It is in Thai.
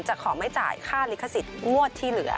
ขอไม่จ่ายค่าลิขสิทธิ์งวดที่เหลือ